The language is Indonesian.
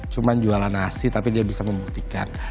cuma jualan nasi tapi dia bisa membuktikan